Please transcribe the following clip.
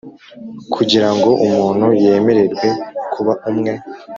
Kugira ngo umuntu yemererwe kuba umwe